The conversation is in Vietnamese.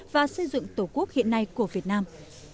và xây dựng tổ quốc hiện nay của việt nam